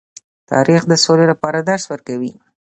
تاریخ د سولې لپاره درس ورکوي.